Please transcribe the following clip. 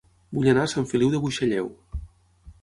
Vull anar a Sant Feliu de Buixalleu